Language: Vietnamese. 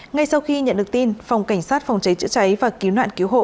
ngay sau khi nhận được tin phòng cảnh sát phòng cháy chữa cháy và cứu nạn cứu hộ